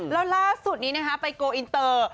แล้วล่าสุดนี้นะคะไปโกลอินเตอร์